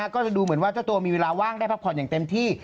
ก็จะดูเหมือนว่าเจ้าตัวมีเวลาว่างได้พักผ่อนอย่างเต็มที่